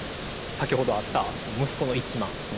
先ほどあった息子の一幡。